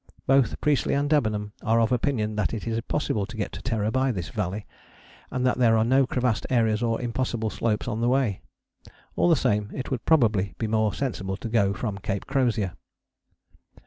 Both Priestley and Debenham are of opinion that it is possible to get to Terror by this valley, and that there are no crevassed areas or impossible slopes on the way. All the same it would probably be more sensible to go from Cape Crozier.